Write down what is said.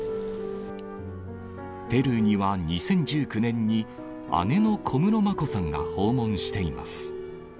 ペルーには２０１９年に、姉の小室眞子さんが訪問しています。